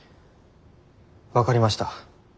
分かりました。